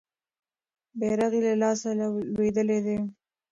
بیرغ یې له لاسه لویدلی دی.